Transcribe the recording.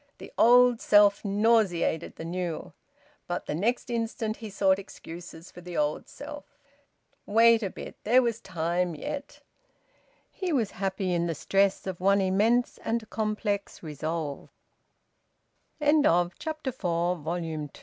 The old self nauseated the new. But the next instant he sought excuses for the old self... Wait a bit! There was time yet. He was happy in the stress of one immense and complex resolve. VOLUME TWO, CHAPTER FIVE. CLOTHES.